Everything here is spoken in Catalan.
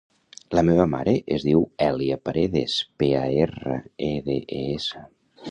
La meva mare es diu Èlia Paredes: pe, a, erra, e, de, e, essa.